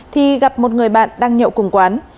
thì gặp một người bạn đang nhậu cùng quán